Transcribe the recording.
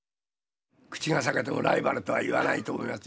口が裂けてもライバルとは言わないと思います。